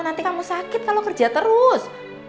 nanti kamu sakit kalau kerja terus